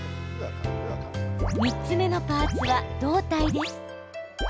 ３つ目のパーツは、胴体です。